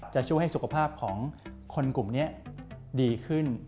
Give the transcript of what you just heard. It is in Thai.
จะช่วยให้สุขภาพของคนกลุ่มนี้ดีขึ้น